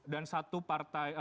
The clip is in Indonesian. dan satu partai